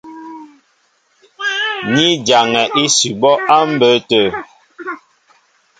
Ni jaŋɛ ísʉbɔ́ á mbə̌ tə̂.